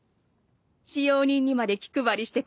使用人にまで気配りしてくれてね。